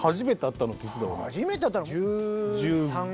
初めて会ったの１３年。